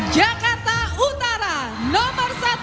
jakarta utara nomor satu